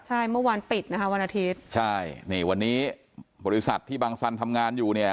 ใช่เมื่อวานปิดนะคะวันอาทิตย์ใช่นี่วันนี้บริษัทที่บังสันทำงานอยู่เนี่ย